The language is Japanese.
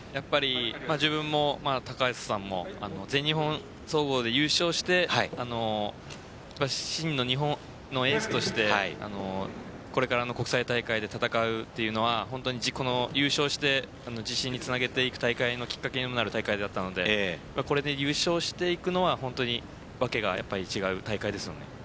自分も高橋さんも全日本総合で優勝して真の日本のエースとしてこれからの国際大会で戦うというのは優勝して自信につなげていく大会のきっかけにもなる大会だったのでこれで優勝していくのは本当に訳が違う大会ですね。